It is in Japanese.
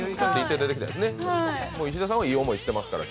石田さんは今日、いい思いしてますから。